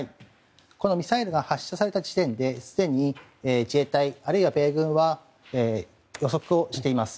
ミサイルが発射された時点で、すでに自衛隊あるいは米軍は予測をしています。